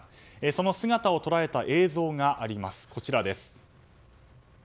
その姿を捉えた映像がこちらです。